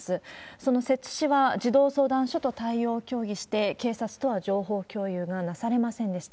その摂津市は、児童相談所と対応を協議して、警察とは情報共有がなされませんでした。